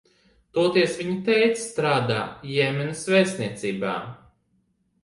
Toties viņa tētis strādā Jemenas vēstniecībā.